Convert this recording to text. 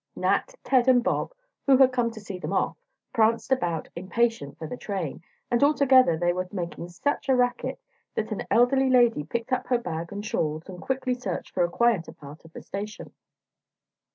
Nat, Ted and Bob, who had come to see them off, pranced about, impatient for the train, and altogether they were making such a racket that an elderly lady picked up her bag and shawls, and quickly searched for a quieter part of the station.